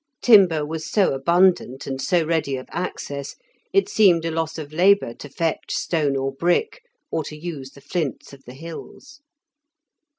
Timber was so abundant and so ready of access, it seemed a loss of labour to fetch stone or brick, or to use the flints of the hills.